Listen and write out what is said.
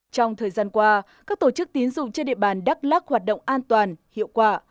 trong thời gian qua các tổ chức tín dụng trên địa bàn đắk lắc hoạt động an toàn hiệu quả